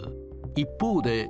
一方で。